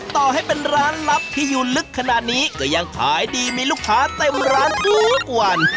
ต่อให้เป็นร้านลับที่อยู่ลึกขนาดนี้ก็ยังขายดีมีลูกค้าเต็มร้านทุกวัน